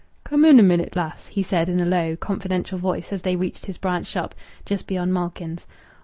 "Come in a minute, lass," he said in a low, confidential voice, as they reached his branch shop, just beyond Malkin's.